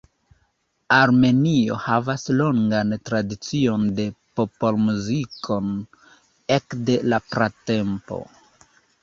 Armenio havas longan tradicion de popolmuziko ekde la pratempo.